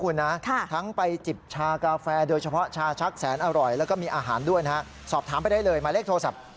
เรียกโทรศัพท์๐๘๔๘๖๐๕๔๐๒